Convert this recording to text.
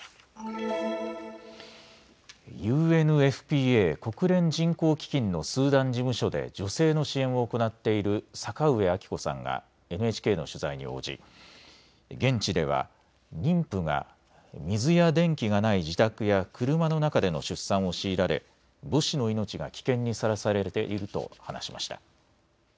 ＵＮＦＰＡ・国連人口基金のスーダン事務所で女性の支援を行っている阪上晶子さんがＮＨＫの取材に応じ現地では妊婦が水や電気がない自宅や車の中での出産を強いられ母子の命が危険にさらされていると話しました。